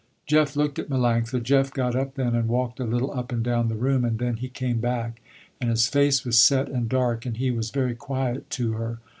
Jeff looked at Melanctha. Jeff got up then and walked a little up and down the room, and then he came back, and his face was set and dark and he was very quiet to her.